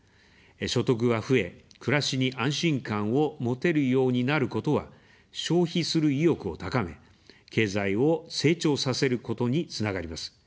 所得が増え、暮らしに安心感を持てるようになることは、消費する意欲を高め、経済を成長させることにつながります。